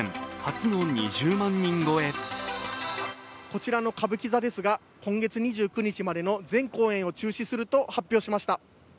こちらの歌舞伎座ですが今月２９日までの全公演を中止すると発表しました。